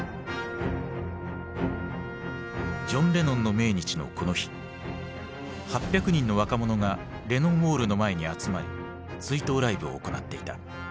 ジョン・レノンの命日のこの日８００人の若者がレノン・ウォールの前に集まり追悼ライブを行っていた。